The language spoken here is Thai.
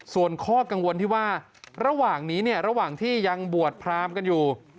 ส่วนข้อกังวลที่ว่าระหว่างนี้เนี่ยระหว่างที่ยังบวชพรามกันอยู่